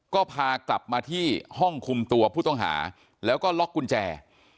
ก็พากลับมาที่ห้องคุมตัวผู้ต้องหาแล้วก็ล็อกกุญแจ